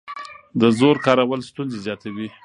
د زور کارول ستونزې زیاتوي